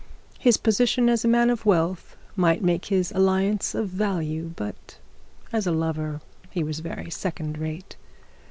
His position as a man of wealth might make his alliance of value, but as a lover he was very second rate.